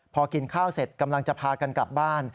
พอกินข้าวเสร็จกำลังจะพากันกลับบ้าน